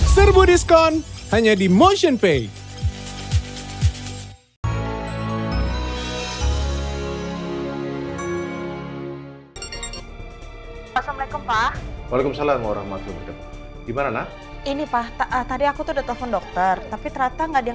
serbu diskon hanya di motionpay